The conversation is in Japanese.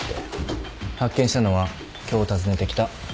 発見したのは今日訪ねてきた婚約者。